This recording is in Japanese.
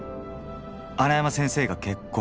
穴山先生が結婚！！